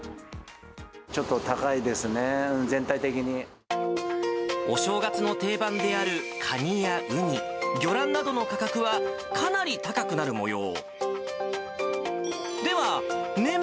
ちょっと高いですね、全体的に。お正月の定番であるカニやウニ、魚卵などの価格は、かなり高くなるもよう。